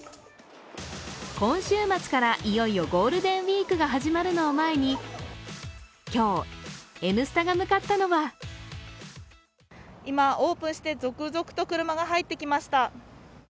今週末からいよいよゴールデンウイークが始まるのを前に今日、「Ｎスタ」が向かったのは今、オープンして続々と車が入ってきました。